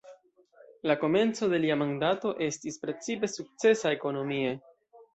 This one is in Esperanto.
La komenco de lia mandato estis precipe sukcesa ekonomie.